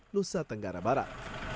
nusa tenggara barat